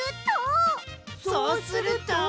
そうすると。